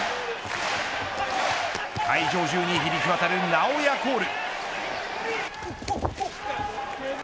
会場中に響き渡る尚弥コール。